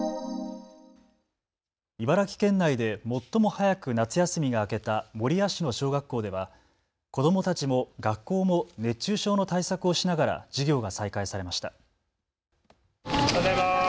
茨城県内で最も早く夏休みが明けた守谷市の小学校では子どもたちも学校も熱中症の対策をしながら授業が再開されました。